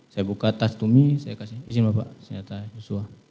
saya buka tas tumi saya kasih izin bapak senjata yosua